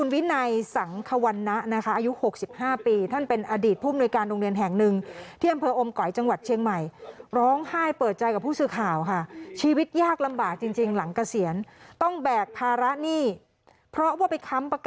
แล้วตอนนี้ต้องการแบกรับภาระหนี้ที่ครูผู้หญิงคนนึงเนี่ยตามรายงานบอกเป็นแม่ของดาราชายคนนึงเนี่ยสองท่านนี้ต้องอยู่อย่างยากลำบากค่ะ